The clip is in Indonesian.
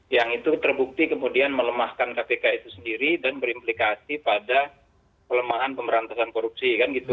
yang itu terbukti kemudian melemahkan kpk itu sendiri dan berimplikasi pada pelemahan pemberantasan korupsi